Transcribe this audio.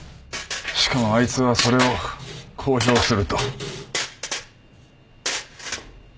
しかもあいつはそれを公表すると。